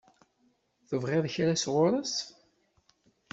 Tebɣiḍ kra sɣur-s?